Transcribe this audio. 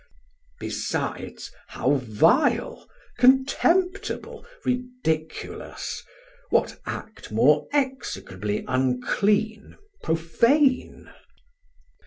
1360 Besides, how vile, contemptible, ridiculous, What act more execrably unclean, prophane?